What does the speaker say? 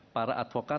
dua para advokat